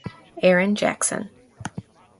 Aaron Jackson.